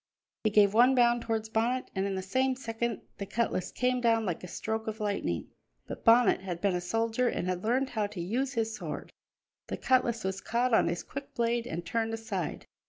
He gave one bound towards Bonnet, and in the same second the cutlass came down like a stroke of lightning. But Bonnet had been a soldier and had learned how to use his sword; the cutlass was caught on his quick blade and turned aside.